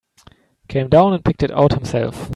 Came down and picked it out himself.